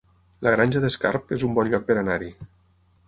La Granja d'Escarp es un bon lloc per anar-hi